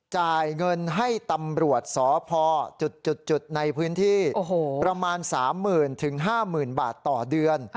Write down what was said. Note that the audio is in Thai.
จ่ายเงินให้ตำรวจสพจุดในพื้นที่ประมาณ๓๐๐๐๕๐๐๐บาทต่อเดือน